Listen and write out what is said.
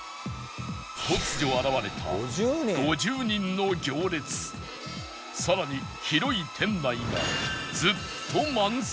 突如現れたさらに広い店内がずっと満席